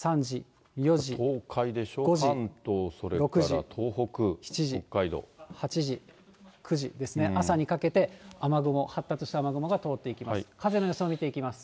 ５時、６時、東海でしょ、関東、それから８時、９時ですね、朝にかけて雨雲、発達した雨雲が通っていきます。